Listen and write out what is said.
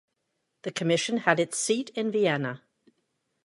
The commission had its seat in Vienna.